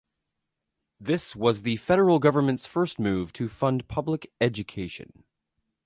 This was the federal government's first move to fund public education.